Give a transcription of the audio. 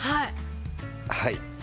はい。